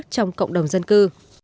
trong cộng đồng dân cư